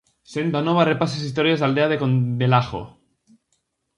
Senda Nova repasa as historias da aldea de candelagho.